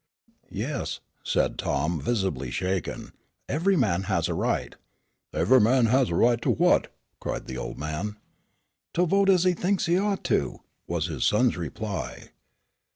"Yes," said Tom, visibly shaken; "every man has a right " "Evah man has a right to what?" cried the old man. "To vote as he thinks he ought to," was his son's reply.